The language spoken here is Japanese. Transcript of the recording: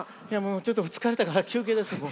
いやもうちょっと疲れたから休憩です。